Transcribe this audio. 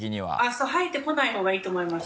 そう生えてこないほうがいいと思います。